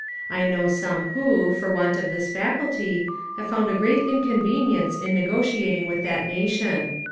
I know some who, for want of this faculty, have found a great inconvenience in negotiating with that nation.